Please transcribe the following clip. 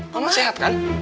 mama sehat kan